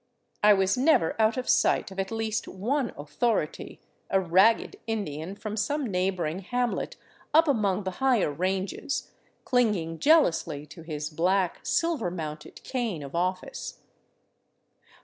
I was never out of sight of at least one '' authority," a ragged Indian from some neighboring hamlet up among the higher ranges, clinging jealously to his black silver mounted cane of office.